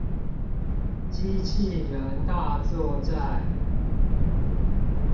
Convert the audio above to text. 機器人大作戰